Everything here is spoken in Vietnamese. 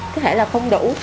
có thể là không đủ